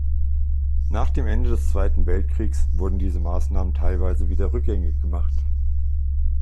Nach dem Ende des Zweiten Weltkriegs wurde diese Maßnahme teilweise wieder rückgängig gemacht.